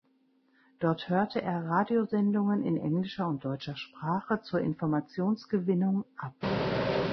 Dort hörte er Radiosendungen in englischer und deutscher Sprache zur Informationsgewinnung ab.